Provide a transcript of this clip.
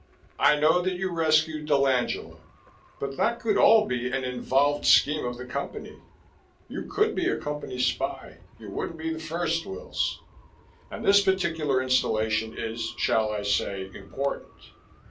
"I know that you rescued dell'Angela. But that could all be an involved scheme of the Company. You could be a Company spy. You wouldn't be the first, Wills. And this particular installation is, shall I say, important.